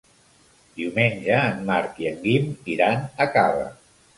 Diumenge en Marc i en Guim iran a Cava.